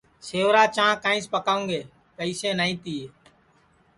سیورا چاں کائیس پاکاوں گے پئیسے نائی تیے